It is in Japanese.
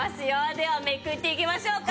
ではめくっていきましょうか。